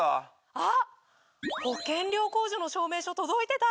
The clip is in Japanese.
あっ保険料控除の証明書届いてた！